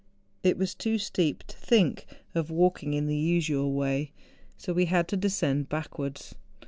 It was too steep to think of walk¬ ing in the usual way, so we had to descend back¬ wards.